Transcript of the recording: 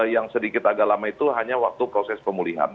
yang sedikit agak lama itu hanya waktu proses pemulihan